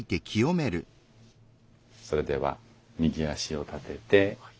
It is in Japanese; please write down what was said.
それでは右足を立てて。